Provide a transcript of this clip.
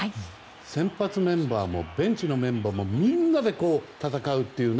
先発メンバーもベンチのメンバーもみんなで戦うという。